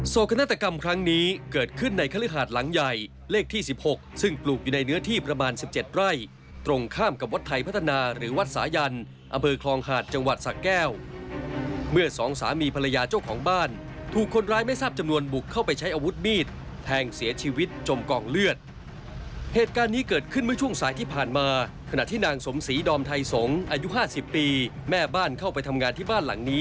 โศกนัตกรรมครั้งนี้เกิดขึ้นในเขลือหาดหลังใหญ่เลขที่๑๖ซึ่งปลูกอยู่ในเนื้อที่ประมาณ๑๗ไร่ตรงข้ามกับวัดไทยพัฒนาหรือวัดสายันอเมื่อคลองหาดจังหวัดสะแก้วเมื่อสองสามีภรรยาเจ้าของบ้านถูกคนร้ายไม่ทราบจำนวนบุกเข้าไปใช้อาวุธมีดแทงเสียชีวิตจมกองเลือดเหตุการณ์นี้เกิด